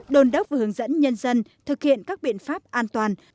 đồn đốc và hướng dẫn nhân dân thực hiện các biện pháp an toàn